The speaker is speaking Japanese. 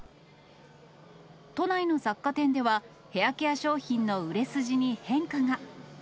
都内の雑貨店では、ヘアケア商品の売れ筋に変化が。